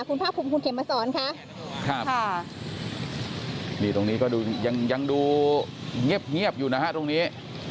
คุณภาคภูมิคุณเข็มมาสอนค่ะครับค่ะนี่ตรงนี้ก็ดูยังยังดูเงียบอยู่นะฮะตรงนี้